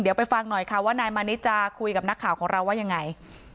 เดี๋ยวไปฟังหน่อยค่ะว่านายมานิดจะคุยกับนักข่าวของเราว่ายังไง